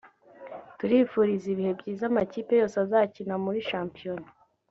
turifuriza ibihe byiza amakipe yose azakina muri shampiyona